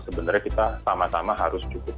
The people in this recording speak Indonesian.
sebenarnya kita sama sama harus cukup